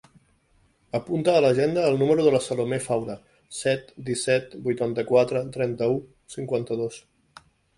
Apunta a l'agenda el número de la Salomé Faura: set, disset, vuitanta-quatre, trenta-u, cinquanta-dos.